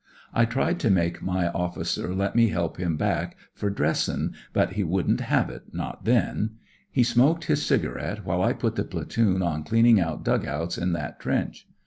I tried to make my officer let me help him back for dressin', but he wouldn't haye it— not then. He smoked his cigarette, while I put the Platoon on cleaning out dug outs in that trench.